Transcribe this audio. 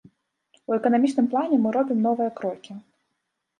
У эканамічным плане мы робім новыя крокі.